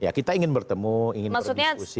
ya kita ingin bertemu ingin berdiskusi